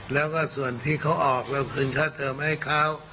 แล้วก็ส่วนที่เขาออกเราคืนค่าเติมให้เขา